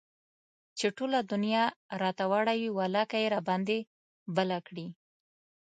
چې ټوله دنيا راته واوړي ولاکه يي راباندى بله کړي